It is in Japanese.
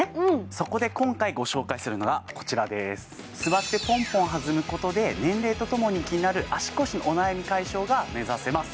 そこで今回ご紹介するのがこちらです座ってポンポン弾むことで年齢とともに気になる足腰のお悩み解消が目指せます